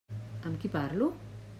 Amb qui parlo?